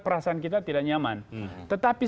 perasaan kita tidak nyaman tetapi